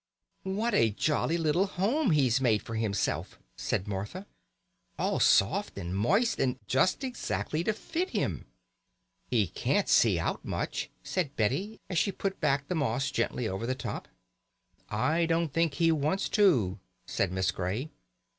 "What a jolly little home he's made for himself!" said Martha. "All soft and moist, and just exactly to fit him." "He can't see out much," said Betty as she put back the moss gently over the top. "I don't think he wants to," said Miss Grey.